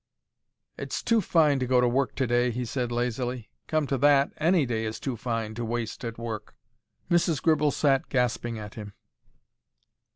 "It's too fine to go to work to day," he said, lazily. "Come to that, any day is too fine to waste at work." Mrs. Gribble sat gasping at him.